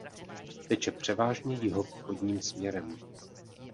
Teče převážně jihovýchodním směrem.